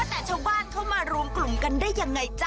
แต่ชาวบ้านเขามารวมกลุ่มกันได้ยังไงจ๊ะ